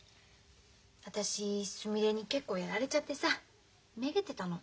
私すみれに結構やられちゃってさめげてたの。